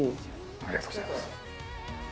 ありがとうございます。